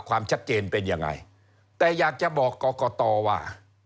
ความชัดเจนเป็นยังไงแต่อยากจะบอกกรกตว่า